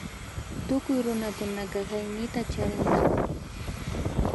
Tukuy runakunaka hayñita charinchik